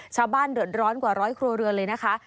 ชาวบ้านเดือดร้อนกว่าร้อยครัวเรือนเลยนะคะ